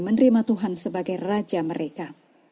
menerima tuhan sebagai raja mereka